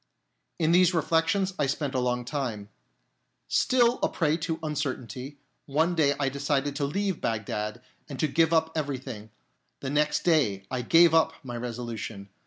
In these reflections I spent a long time. Still a prey to uncertainty, one day I decided to leave Bagdad and to give up everything ; the next day I gave up my resolu tion.